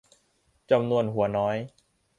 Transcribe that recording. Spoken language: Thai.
จำนวนหัวน้อย